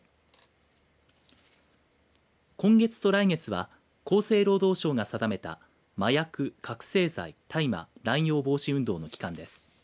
今月と来月は厚生労働省が定めた麻薬・覚醒剤・大麻乱用防止運動の期間です。